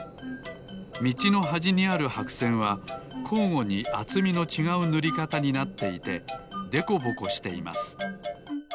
みちのはじにあるはくせんはこうごにあつみのちがうぬりかたになっていてでこぼこしています。